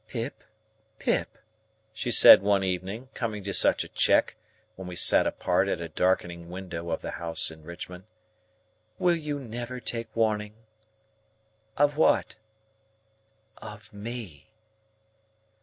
"Pip, Pip," she said one evening, coming to such a check, when we sat apart at a darkening window of the house in Richmond; "will you never take warning?" "Of what?" "Of me."